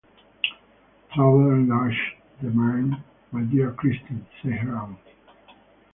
'Travel enlarges the mind, my dear Christine,' said her aunt.